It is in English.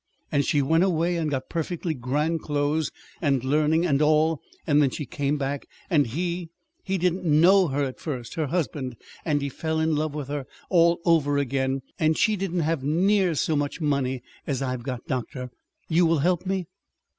And she went away and got perfectly grand clothes, and learning, and all; and then she came back; and he he didn't know her at first her husband, and he fell in love with her all over again. And she didn't have near so much money as I've got. Doctor, you will help me?"